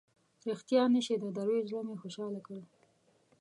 ریښتیا نه شي د دروېش زړه مې خوشاله کړ.